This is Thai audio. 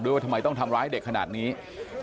ด้วยว่าทำไมต้องทำร้ายเด็กของเขานะครับ